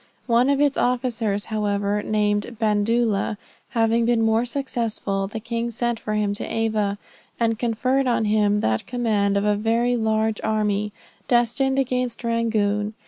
One of its officers, however, named Bandoola, having been more successful, the king sent for him to Ava, and conferred on him the command of a very large army, destined against Rangoon.